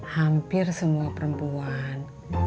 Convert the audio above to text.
hampir semua perempuan